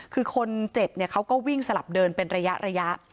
คือคนเจ็บเขาก็วิ่งสลับเดินเป็นระยะ